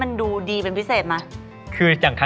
พี่อายกับพี่อ๋อมไม่ได้ครับ